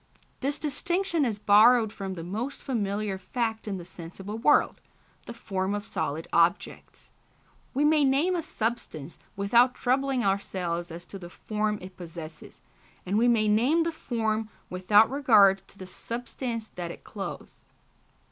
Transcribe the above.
This distinction is borrowed from the most familiar fact in the sensible world the form of solid objects. We may name a substance without troubling ourselves as to the form it possesses, and we may name the form without regard to the substance that it clothes.